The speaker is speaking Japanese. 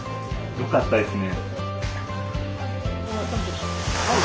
よかったですね。